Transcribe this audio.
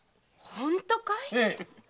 本当かい？